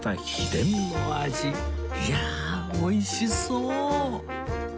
いやあ美味しそう！